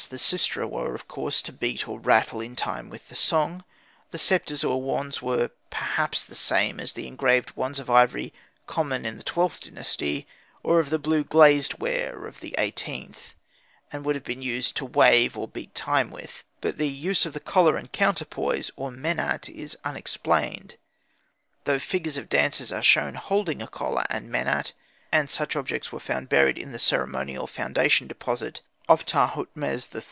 The sistra were, of course, to beat or rattle in time with the song; the sceptres or wands were perhaps the same as the engraved wands of ivory common in the XIIth Dynasty, or of blue glazed ware in XVIIIth, and would be used to wave or beat time with; but the use of the collar and counterpoise, or menat, is unexplained, though figures of dancers are shown holding a collar and menat, and such objects were found buried in the ceremonial foundation deposit of Tahutmes III.